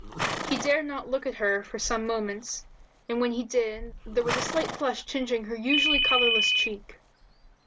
He dared not look at her for some moments, and when he did there was a slight flush tingeing her usually colourless cheek.